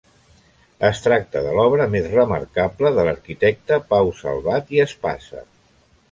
Es tracta de l'obra més remarcable de l'arquitecte Pau Salvat i Espasa.